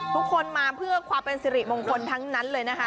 ทุกคนมาเพื่อความเป็นสิริมงคลทั้งนั้นเลยนะคะ